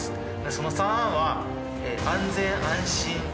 その３安は「安全」「安心」「安い」。